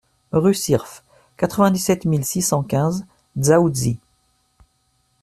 Rue Sirf, quatre-vingt-dix-sept mille six cent quinze Dzaoudzi